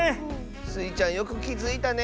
スイちゃんよくきづいたね！